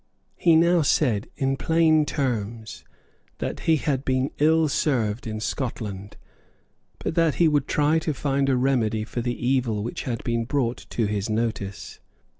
He now said, in plain terms, that he had been ill served in Scotland, but that he would try to find a remedy for the evil which bad been brought to his notice.